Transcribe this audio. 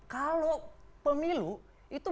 kalau pemilu itu